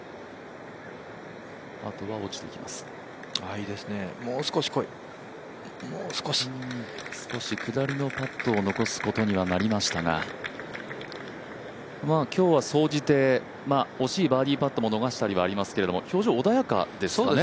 いいですね、もう少しこい、もう少し少し下りのパットを残すことにはなりましたが、まあ今日は総じて、惜しいバーディーパットを逃したりもありましたけど表情、穏やかですかね。